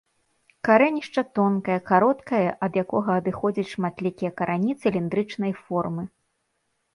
Карэнішча тонкае, кароткае ад якога адыходзяць шматлікія карані цыліндрычнай формы.